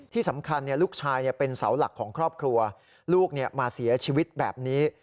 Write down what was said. ที่สำคัญลูกชายเป็นเสาหลักของครอบครัวลูกมาเสียชีวิตแบบนี้